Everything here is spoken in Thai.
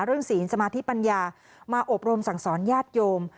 ศีลสมาธิปัญญามาอบรมสั่งสอนญาติโยม